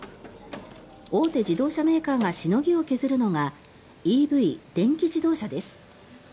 大手自動車メーカーがしのぎを削るのがＥＶ・電気自動車です。